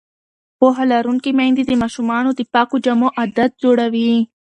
پوهه لرونکې میندې د ماشومانو د پاکو جامو عادت جوړوي.